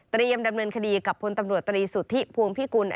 เตรียมดำเนินคดีกับพลตำรวจตรีสุตทิภวงพิกุณธ์